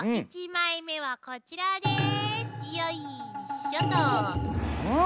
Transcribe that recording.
２枚目はこちらです。